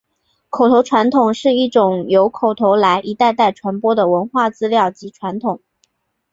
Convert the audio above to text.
口头传统是一种由口头来一代代传播的文化资料及传统。